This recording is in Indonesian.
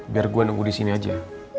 biar gue nunggu disini aja